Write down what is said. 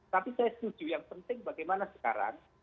tapi saya setuju yang penting bagaimana sekarang